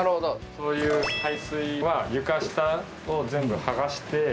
そういう排水は床下を全部剥がして。